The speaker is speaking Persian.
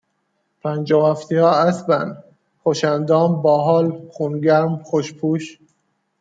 پنجاه و هفتیا اسبن، خوش اندام، با حال، خون گرم، خوش پوش